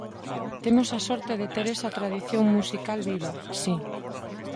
Temos a sorte de ter esa tradición musical viva, si.